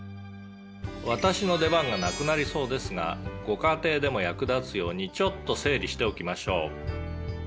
「私の出番がなくなりそうですがご家庭でも役立つようにちょっと整理しておきましょう」